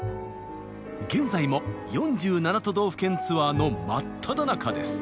現在も４７都道府県ツアーの真っただ中です！